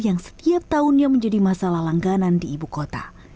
yang setiap tahunnya menjadi masalah langganan di ibu kota